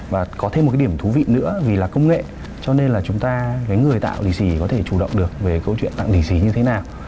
và có thêm một cái điểm thú vị nữa vì là công nghệ cho nên là chúng ta cái người tạo lì xì có thể chủ động được về câu chuyện tặng lý gì như thế nào